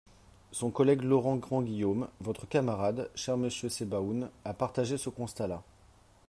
Son collègue Laurent Grandguillaume, votre camarade, cher monsieur Sebaoun, a partagé ce constat-là.